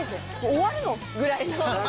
「終わるの？」ぐらいの。